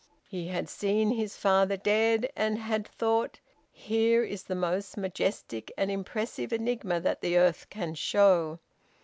He had seen his father dead, and had thought: "Here is the most majestic and impressive enigma that the earth can show!"